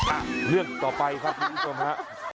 อ่ะเรื่องต่อไปครับพี่อีกต่อมา